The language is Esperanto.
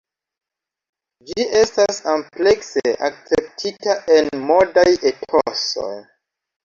Ĝi estas amplekse akceptita en modaj etosoj.